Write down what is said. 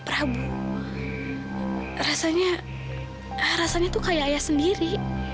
prabu rasanya rasanya tuh kayak ayah sendiri